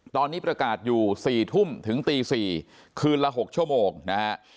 ตอนนี้ประกาศอยู่๔ทุ่มถึงตี๔คืนละ๖ชั่วโมงนะฮะ